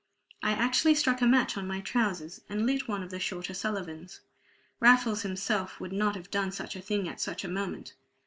I actually struck a match on my trousers, and lit one of the shorter Sullivans. Raffles himself would not have done such a thing at such a moment.